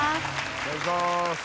お願いします。